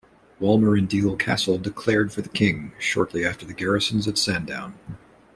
Walmer and Deal Castle declared for the King, shortly after the garrisons at Sandown.